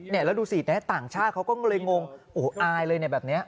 แล้วดูสิต่างชาติเขาก็เลยงงอายเลยแบบนี้